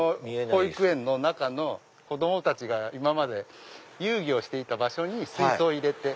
保育園の中の子供たちが今まで遊戯をしていた場所に水槽を入れて。